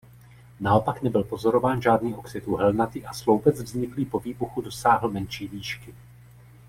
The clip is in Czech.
Naopak nebyl pozorován žádný oxid uhelnatý a sloupec vzniklý po výbuchu dosáhl menší výšky.